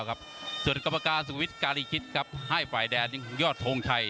ครับส่วนกรรมการการีกิตครับให้ไฟแดงยอดโทงชัย